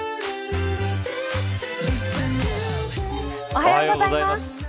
おはようございます。